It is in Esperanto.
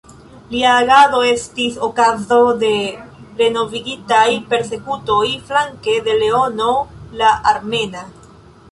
Lia agado estis okazo de renovigitaj persekutoj flanke de Leono la Armena.